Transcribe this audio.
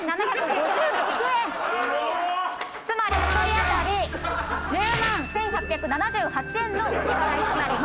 つまり１人あたり１０万１８７８円のお支払いとなります。